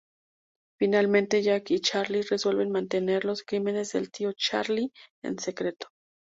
Finalmente, Jack y Charlie resuelven mantener los crímenes del tío Charlie en secreto.